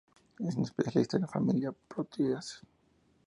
Es un especialista en la familia Proteaceae.